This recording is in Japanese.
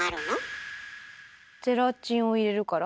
ゼラチンを入れるから？